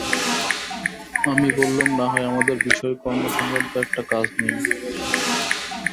আমি বললুম নাহয় আমাদের বিষয়কর্মসংক্রান্ত একটা কাজ নিন।